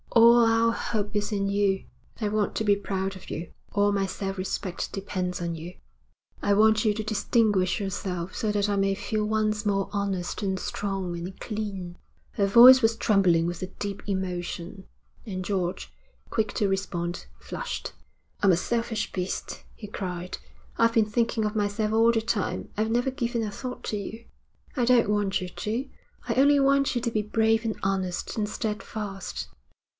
All our hope is in you. I want to be proud of you. All my self respect depends on you. I want you to distinguish yourself, so that I may feel once more honest and strong and clean.' Her voice was trembling with a deep emotion, and George, quick to respond, flushed. 'I am a selfish beast,' he cried. 'I've been thinking of myself all the time. I've never given a thought to you.' 'I don't want you to: I only want you to be brave and honest and steadfast.'